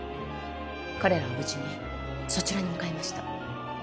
彼らは無事にそちらに向かいました